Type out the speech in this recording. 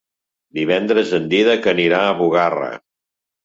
Divendres en Dídac anirà a Bugarra.